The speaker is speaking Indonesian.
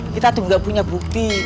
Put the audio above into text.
kita tuh nggak punya bukti